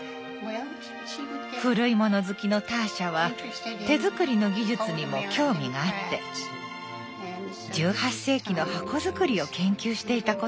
古いもの好きのターシャは手作りの技術にも興味があって１８世紀の箱作りを研究していたこともあるの。